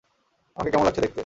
আমাকে কেমন লাগছে দেখতে?